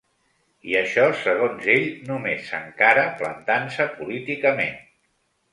I això, segons ell, només s’encara plantant-se políticament.